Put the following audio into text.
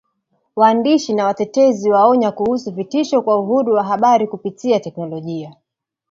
Waandishi na watetezi waonya kuhusu vitisho kwa uhuru wa habari kupitia teknolojia